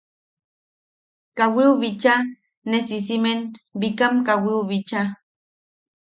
Kawiu bichaa, ne sisimen bikam kawiu bichaa.